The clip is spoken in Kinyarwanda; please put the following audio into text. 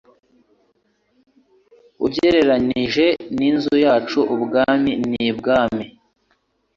Ugereranije n'inzu yacu, ibwami ni ibwami.